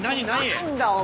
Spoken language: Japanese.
何だお前。